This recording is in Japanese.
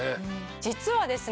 実はですね